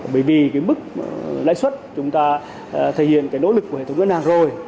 bởi vì cái mức lãi suất chúng ta thể hiện cái nỗ lực của hệ thống ngân hàng rồi